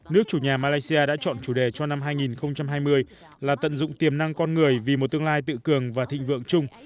nước chủ nhà malaysia đã chọn chủ đề cho năm hai nghìn hai mươi là tận dụng tiềm năng con người vì một tương lai tự cường và thịnh vượng chung